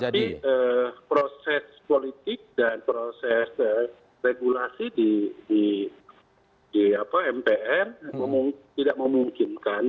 jadi proses politik dan proses regulasi di mpr tidak memungkinkan